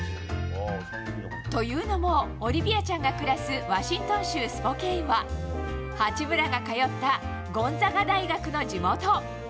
というのもオリビアちゃんが暮らすワシントン州スポケーンは八村が通ったゴンザガ大学の地元。